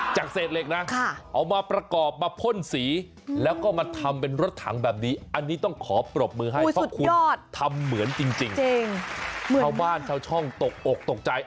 จากเศษเหล็กนะเอามาประกอบมาพ่นสีแล้วก็มาทำเป็นรถถังแบบนี้อันนี้ต้องขอปรบมือให้เพราะคุณทำเหมือนจริงชาวบ้านชาวช่องตกอกตกใจ